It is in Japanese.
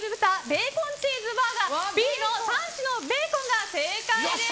ベーコンチーズバーガーＢの３種のベーコンが正解です。